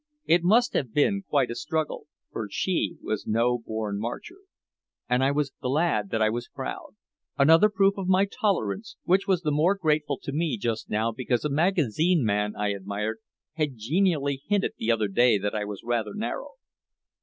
It must have been quite a struggle, for she was no born marcher. And I was glad that I was proud. Another proof of my tolerance which was the more grateful to me just now because a magazine man I admired had genially hinted the other day that I was rather narrow.